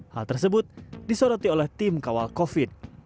hal tersebut disoroti oleh tim kawal covid